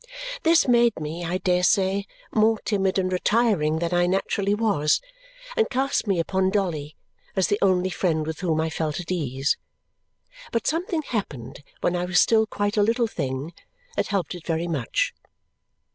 This made me, I dare say, more timid and retiring than I naturally was and cast me upon Dolly as the only friend with whom I felt at ease. But something happened when I was still quite a little thing that helped it very much.